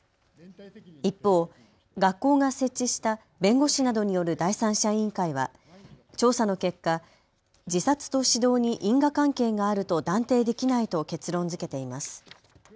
一方、学校が設置した弁護士などによる第三者委員会は調査の結果、自殺と指導に因果関係があると断定できないと結論づけています。